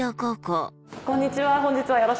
こんにちは